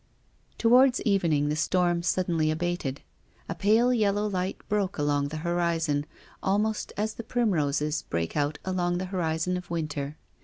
Towards evening the storm suddenly abated. A pale yellow ligl^.t broke along the hoii/.on, almost as the j)riinroses break out along the horizon of winter.